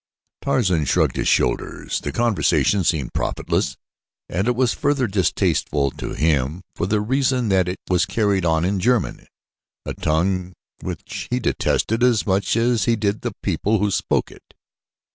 Tarzan shrugged his broad shoulders. The conversation seemed profitless and it was further distasteful to him for the reason that it was carried on in German, a tongue which he detested as much as he did the people who spoke it.